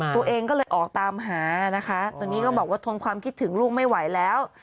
ตัวเองก็เลยออกตามหานะคะตอนนี้ก็บอกว่าทนความคิดถึงลูกไม่ไหวแล้ว